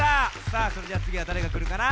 さあそれではつぎはだれがくるかな？